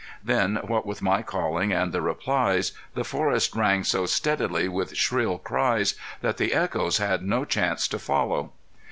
Then, what with my calling and the replies, the forest rang so steadily with shrill cries that the echoes had no chance to follow.